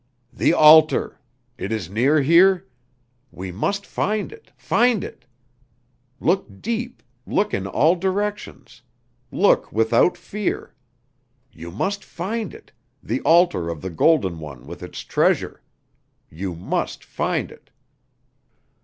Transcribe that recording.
"The altar it is near here? We must find it find it. Look deep look in all directions look without fear. You must find it the altar of the Golden One with its treasure. You must find it."